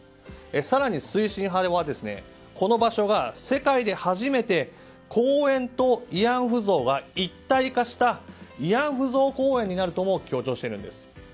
更に、推進派は世界で初めて公園と慰安婦像が一体化した慰安婦像公園になるとも強調しているんです。